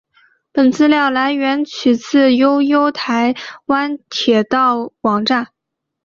本资料来源取自悠游台湾铁道网站。